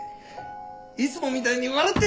いつもみたいに笑って！